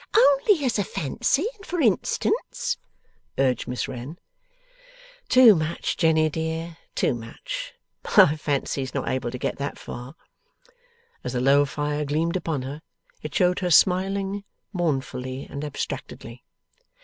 'Only as a fancy, and for instance,' urged Miss Wren. 'Too much, Jenny, dear, too much! My fancy is not able to get that far.' As the low fire gleamed upon her, it showed her smiling, mournfully and abstractedly.